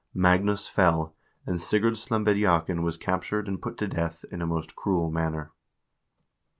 Magnus fell, and Sigurd Slembediakn was captured and put to death in a most cruel manner.